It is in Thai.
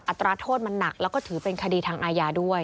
ตราโทษมันหนักแล้วก็ถือเป็นคดีทางอาญาด้วย